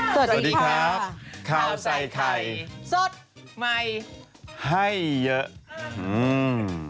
สวัสดีครับข้าวใส่ไข่สดใหม่ให้เยอะอืม